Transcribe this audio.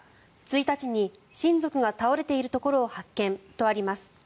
１日に、親族が倒れているところを発見とあります。